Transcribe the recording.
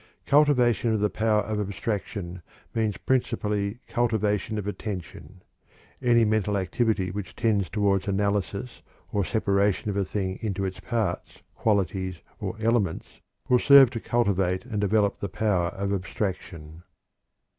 Cultivation of the power of abstraction means principally cultivation of attention. Any mental activity which tends toward analysis or separation of a thing into its parts, qualities, or elements will serve to cultivate and develop the power of abstraction.